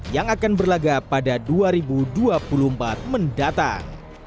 yang akan berlaga pada dua ribu dua puluh empat mendatang